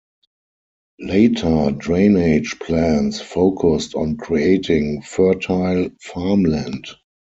Later drainage plans focused on creating fertile farmland.